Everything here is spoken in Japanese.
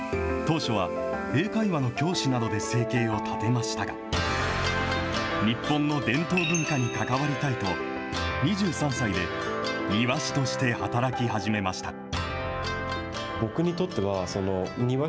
当初は、英会話の教師などで生計を立てましたが、日本の伝統文化に関わりたいと、２３歳で庭師として働き始めました。